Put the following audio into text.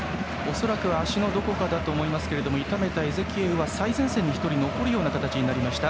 恐らく足のどこかだと思いますが痛めたエゼキエウは最前線に１人残る形になりました。